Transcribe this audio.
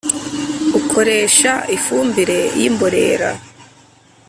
ukoresha ifumbire yi mborera,